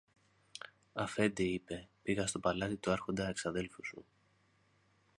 Αφέντη, είπε, πήγα στο παλάτι του Άρχοντα εξαδέλφου σου